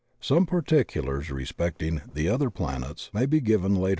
Some particulars respecting the other planets may be given later on.